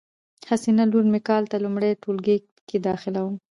حسینه لور می کال ته لمړی ټولګي کی داخلیدوم